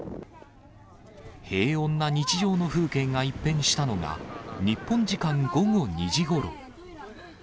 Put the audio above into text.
平穏な日常の風景が一変したのが、日本時間午後２時ごろ。